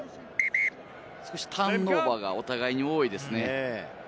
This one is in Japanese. ターンオーバーがお互いに多いですね。